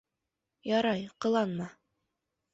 Ярай, ҡыланма.